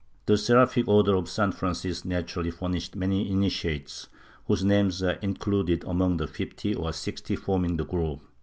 The Seraphic Order of St. Francis naturally furnished many initiates, whose names are included among the fifty or sixty forming the group.